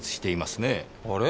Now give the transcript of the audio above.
あれ？